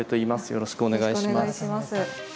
よろしくお願いします。